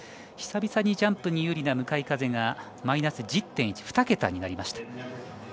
久々にジャンプに有利な向かい風がマイナス１０．１２桁になりました。